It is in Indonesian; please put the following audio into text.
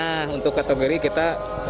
nah untuk kategori kita